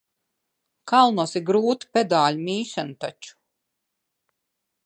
Kalnos ir grūta pedāļu mīšana taču.